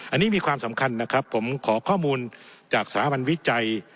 อันนี้มีความสำคัญนะครับผมขอข้อมูลจากสถาบันวิจัย